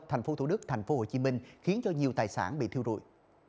tp thủ đức tp hcm khiến nhiều tài sản bị thiêu rụi